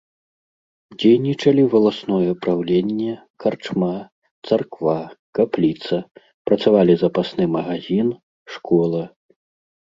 Дзейнічалі валасное праўленне, карчма, царква, капліца, працавалі запасны магазін, школа.